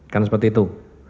kan seperti itu